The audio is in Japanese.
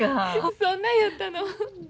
そんなやったの。